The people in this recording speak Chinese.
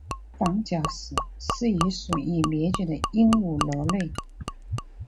房角石是一属已灭绝的鹦鹉螺类。